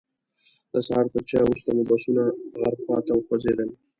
د سهار تر چایو وروسته مو بسونه غرب خواته وخوځېدل.